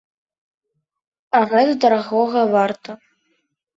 А гэта дарагога варта.